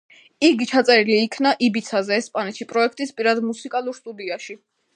იგი ჩაწერილი იქნა იბიცაზე, ესპანეთში, პროექტის პირად მუსიკალურ სტუდიაში.